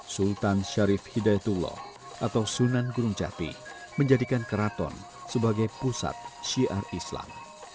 sultan sharif hidayatullah atau sunan gurunjati menjadikan keraton sebagai pusat syiar islam